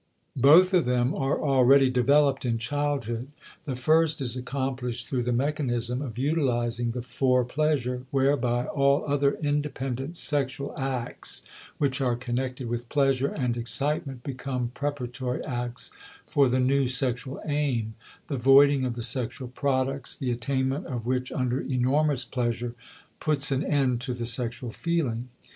Both of them are already developed in childhood. The first is accomplished through the mechanism of utilizing the fore pleasure, whereby all other independent sexual acts which are connected with pleasure and excitement become preparatory acts for the new sexual aim, the voiding of the sexual products, the attainment of which under enormous pleasure puts an end to the sexual feeling.